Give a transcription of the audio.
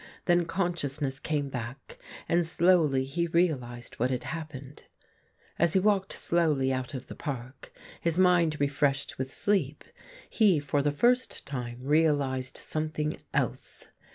Then conscious ness came back, and slowly he realized what had happened. As he walked slowly out of the park, his mind refreshed with sleep, he for the first time realized some thing else.